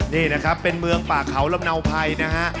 นี่นะครับเป็นเมืองป่าเขาลำเนาภัยนะฮะ